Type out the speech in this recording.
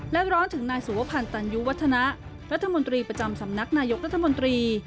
และร้อนถึงนายสุวพันธ์ตันยุวัฒนะรัฐมนตรีประจำสำนักนายกรัฐมนตรี